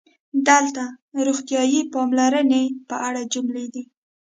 دلته د "روغتیايي پاملرنې" په اړه جملې دي: